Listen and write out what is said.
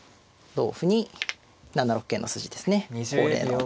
同歩に７六桂の筋ですね恒例の。